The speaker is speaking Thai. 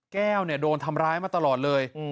แก้วโดนทำร้ายมาตลอดเลย